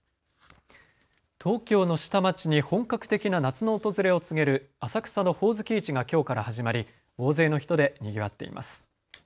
東京の下町に本格的な夏の訪れを告げる浅草のほおずき市がきょうから始まり大勢の人でにぎわっています。